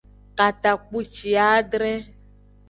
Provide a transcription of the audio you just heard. Katakpuciadre.